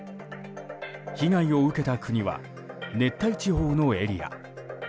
被害を受けた国は熱帯地方のエリア。